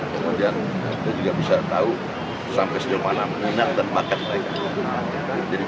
kemudian kita juga bisa tahu sampai sejauh mana minat dan bakat mereka